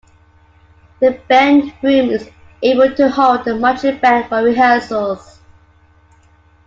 The band room is able to hold the marching band for rehearsals.